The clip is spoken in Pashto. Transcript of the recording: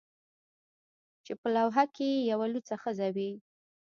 چې په لوحه کې یې یوه لوڅه ښځه وي